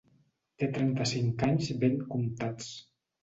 Té trenta-cinc anys ben comptats.